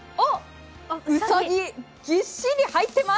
うさぎ、ぎっしり入っています。